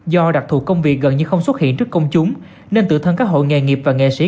do đặc thù công việc gần như không xuất hiện trước công chúng nên tự thân các hội nghề nghiệp và nghệ sĩ